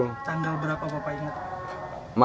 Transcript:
tandil berapa bapak ingat pak